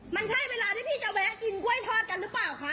มันใช่เวลาที่พี่จะแวะกินกล้วยทอดกันหรือเปล่าคะ